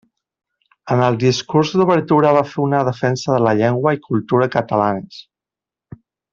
En el discurs d'obertura va fer una defensa de la llengua i cultura catalanes.